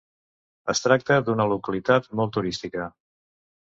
Es tracta d'una localitat molt turística.